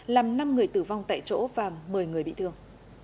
làm năm người tử vong tại chỗ và một mươi người bị thương